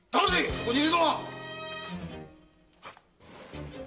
そこにいるのは！